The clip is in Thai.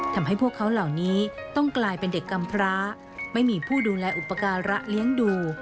ทำให้พวกเขาเหล่านี้ต้องกลายเป็นเด็กกำพร้าไม่มีผู้ดูแลอุปการะเลี้ยงดู